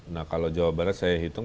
nah kalau jawa barat saya hitung